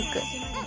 うん。